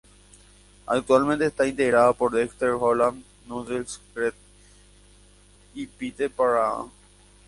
Actualmente está integrada por Dexter Holland, Noodles, Greg K y Pete Parada.